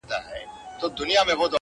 زه چي سهار له خوبه پاڅېږمه،